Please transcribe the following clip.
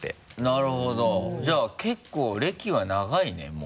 なるほどじゃあ結構歴は長いねもう。